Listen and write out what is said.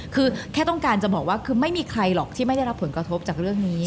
คือแค่ต้องการจะบอกว่าคือไม่มีใครหรอกที่ไม่ได้รับผลกระทบจากเรื่องนี้